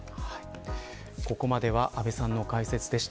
ここまでは阿部さんの解説でした。